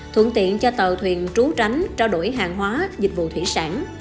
thuận tiện cho tàu thuyền trú tránh trao đổi hàng hóa dịch vụ thủy sản